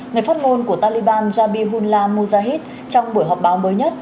người phát ngôn của taliban jabi hullah mujahid trong buổi họp báo mới nhất